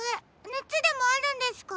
ねつでもあるんですか？